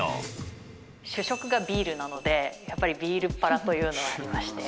主食がビールなのでやっぱりビール腹というのはありまして。